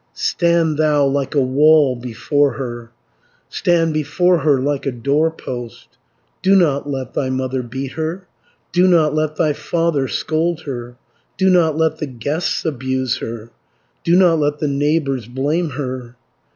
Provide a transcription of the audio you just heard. "Stand thou like a wall before her, Stand before her like a doorpost, 200 Do not let thy mother beat her, Do not let thy father scold her, Do not let the guests abuse her, Do not let the neighbours blame her.